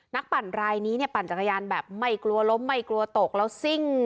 ปั่นรายนี้เนี่ยปั่นจักรยานแบบไม่กลัวล้มไม่กลัวตกแล้วซิ่ง